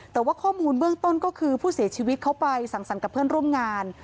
แต่ว่าข้อมูลเบื้องต้นก็คือผู้เสียชีวิตเขาไปสั่งสรรค์กับเพื่อนร่วมงาน